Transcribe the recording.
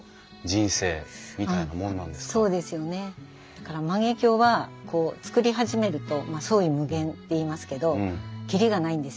だから万華鏡は作り始めると創意無限っていいますけど切りがないんですよね。